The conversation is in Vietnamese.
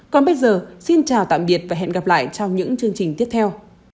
còn bây giờ xin chào tạm biệt và hẹn gặp lại trong những chương trình tiếp theo